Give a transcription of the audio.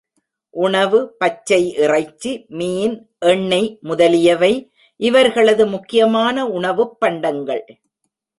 உணவு பச்சை இறைச்சி, மீன், எண்ணெய் முதலியவை இவர்களது முக்கியமான உணவுப் பண்டங்கள்.